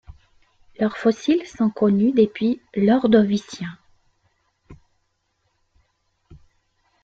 Leurs fossiles sont connus depuis l'Ordovicien.